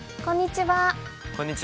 こんにちは。